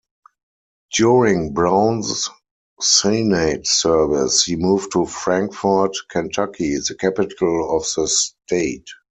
During Brown's Senate service, he moved to Frankfort, Kentucky, the capital of the state.